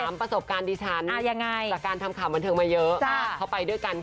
ประสบการณ์ดิฉันจากการทำข่าวบันเทิงมาเยอะเขาไปด้วยกัน